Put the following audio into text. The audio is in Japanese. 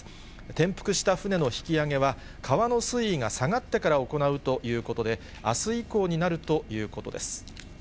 転覆した船の引き上げは、川の水位が下がってから行うということで、あす以降になるということです。